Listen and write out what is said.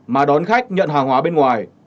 mà đón khách nhận hàng hóa bên ngoài